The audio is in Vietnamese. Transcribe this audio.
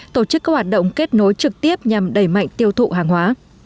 tổ chức các hoạt động kết nối trực tiếp nhằm đẩy mạnh tiêu thụ hàng hóa